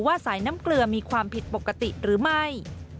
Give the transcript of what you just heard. สายน้ำเกลือมีความผิดปกติหรือไม่